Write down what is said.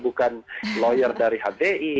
bukan lawyer dari hdi